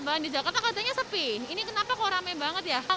bahkan di jakarta katanya sepi ini kenapa kok rame banget ya